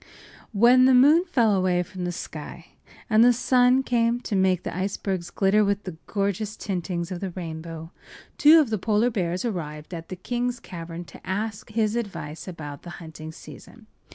When the moon fell away from the sky and the sun came to make the icebergs glitter with the gorgeous tintings of the rainbow, two of the polar bears arrived at the king’s cavern to ask his advice about the hunting season.